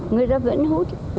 người ta vẫn hút